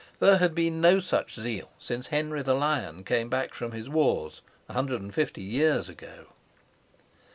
There had been no such zeal since Henry the Lion came back from his wars, a hundred and fifty years ago.